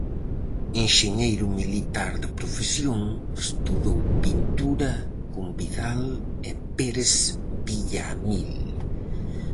Enxeñeiro militar de profesión, estudou pintura con Vidal e Pérez Villaamil.